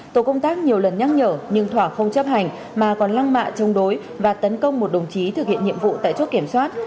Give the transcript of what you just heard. tổ công tác nhiều lần nhắc nhở nhưng thỏa không chấp hành mà còn lăng mạ chống đối và tấn công một đồng chí thực hiện nhiệm vụ tại chốt kiểm soát